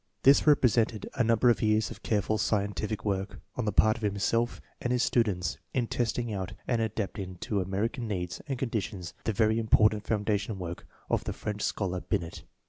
This represented a number of years of care ful scientific work, on the part of himself and his stu dents, in testing out and adapting to American needs and conditions the very important foundation work of the French scholar Binet.